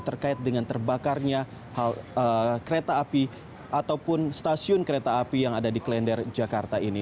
terkait dengan terbakarnya kereta api ataupun stasiun kereta api yang ada di klender jakarta ini